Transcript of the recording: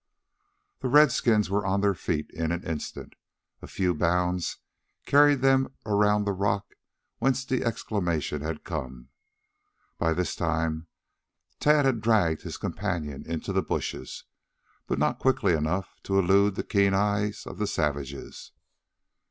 The redskins were on their feet in an instant. A few bounds carried them around the rock whence the exclamation had come. By this time Tad had dragged his companion into the bushes but not quickly enough to elude the keen eyes of the savages.